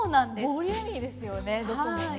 ボリューミーですよねどこもね。